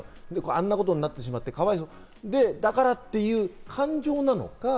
あんなことになってかわいそう、だからという感情なのか。